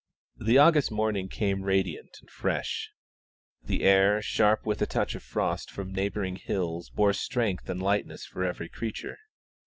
The August morning came radiant and fresh; the air, sharp with a touch of frost from neighbouring hills, bore strength and lightness for every creature.